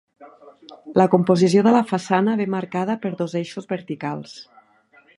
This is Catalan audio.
La composició de la façana ve marcada per dos eixos verticals.